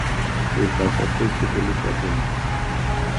Cred că aceasta este soluția bună.